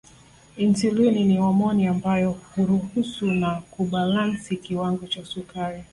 Insulini ni homoni ambayo huruhusu na kubalansi kiwango cha sukari